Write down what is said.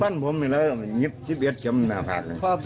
ปั้นผมนี่แล้ว๑๑เข็มหน้าภาค